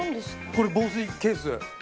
これ防水ケース。